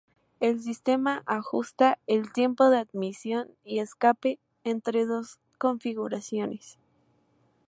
El sistema ajusta el tiempo de admisión y escape entre dos configuraciones.